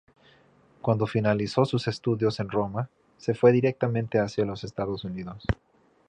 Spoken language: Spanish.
Cuando finalizó sus estudios en Roma, se fue directamente hacia los Estados Unidos.